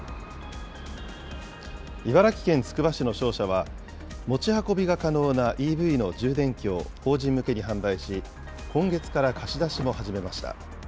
茨城県つくば市の商社は、持ち運びが可能なＥＶの充電器を法人向けに販売し、今月から貸し出しも始めました。